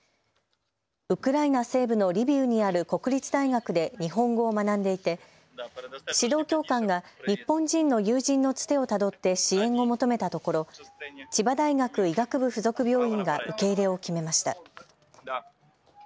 ウクライナ西部のリビウにある国立大学で日本語を学んでいて指導教官が日本人の友人のつてをたどって支援を求めたところ千葉大学医学部附属病院が受け入れを決めました。